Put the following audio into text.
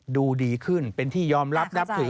ดูดีขึ้นเป็นที่ยอมรับนับถือ